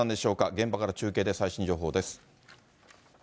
現場から中継で最新情報です。